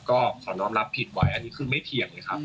ก็ขอน้องรับผิดไว้อันนี้คือไม่เถียงเลยครับ